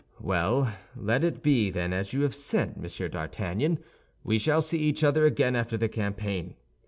"Well, let it be, then, as you have said, Monsieur d'Artagnan; we shall see each other again after the campaign.